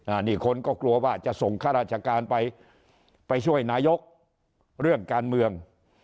อันนี้คนก็กลัวว่าจะส่งข้าราชการไปไปช่วยนายกเรื่องการเมือง